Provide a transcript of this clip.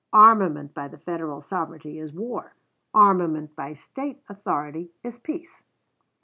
Armament by the Federal sovereignty is war, armament by State authority is peace."